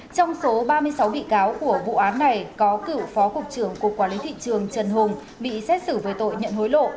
trong số ba mươi sáu bị cáo của vụ án này có cựu phó cục trưởng cục quản lý thị trường trần hùng bị xét xử về tội nhận hối lộ